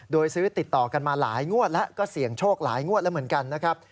โดยซื้อติดต่อกันมาหลายงวดแล้วก็เสี่ยงโชคหลายงวดแล้วเหมือนกันนะครับ